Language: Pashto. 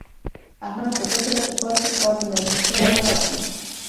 احمد د بل چا په کار کې کار نه لري؛ خپله لاره وهي.